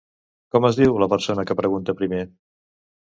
Com es diu la persona què pregunta primer?